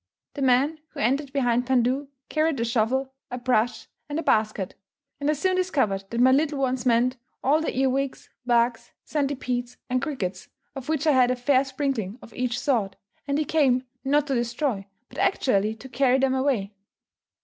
The man, who entered behind Pandoo, carried a shovel, a brush, and a basket; and I soon discovered that my little ones meant all the earwigs, bugs, centipedes, and crickets, of which I had a fair sprinkling of each sort; and he came, not to destroy, but actually to carry them away.